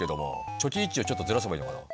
初期位置をちょっとずらせばいいのかな。